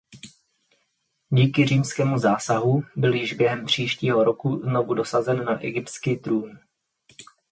Díky římskému zásahu byl již během příštího roku znovu dosazen na egyptský trůn.